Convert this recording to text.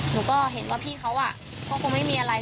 หนูก็เห็นว่าพี่เขาก็คงไม่มีอะไร